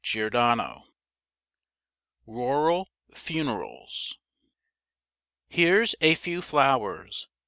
Churchyard. RURAL FUNERALS. Here's a few flowers!